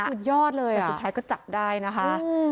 สุดยอดเลยสุดท้ายก็จับได้นะคะ